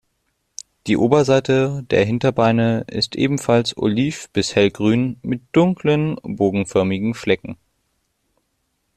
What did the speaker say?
Die Oberseite der Hinterbeine ist ebenfalls oliv- bis hellgrün mit dunklen, bogenförmigen Flecken.